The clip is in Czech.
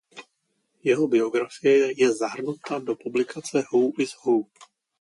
Jeho biografie je zahrnuta do publikace Who is who.